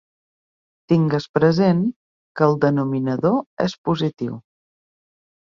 Tingues present que el denominador és positiu.